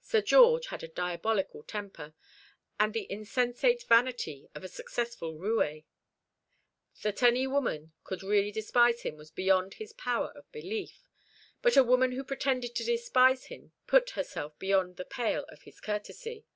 Sir George had a diabolical temper, and the insensate vanity of a successful roué. That any woman could really despise him was beyond his power of belief; but a woman who pretended to despise him put herself beyond the pale of his courtesy.